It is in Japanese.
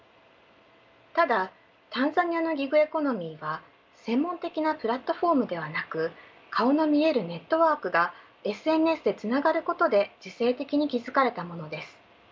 ただタンザニアのギグエコノミーは専門的なプラットフォームではなく顔の見えるネットワークがＳＮＳでつながることで自生的に築かれたものです。